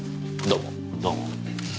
どうも。